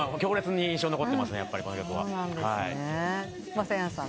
まさやんさん。